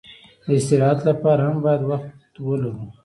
د استراحت لپاره هم باید وخت ولرو.